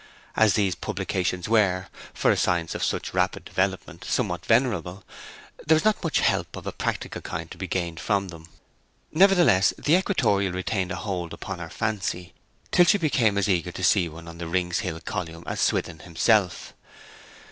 As these publications were, for a science of such rapid development, somewhat venerable, there was not much help of a practical kind to be gained from them. Nevertheless, the equatorial retained a hold upon her fancy, till she became as eager to see one on the Rings Hill column as Swithin himself.